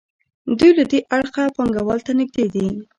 دوی له دې اړخه پانګوال ته نږدې دي.